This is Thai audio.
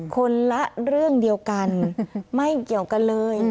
คนละเรื่องเดียวกันไม่เกี่ยวกันเลย